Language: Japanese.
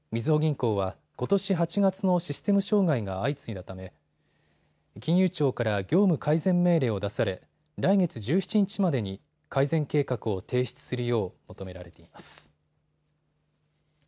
みずほ銀行はことし８月のシステム障害が相次いだため金融庁から業務改善命令を出され来月１７日までに改善計画を提出するよう求められています。